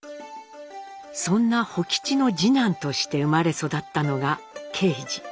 そんな甫吉の次男として生まれ育ったのが敬次。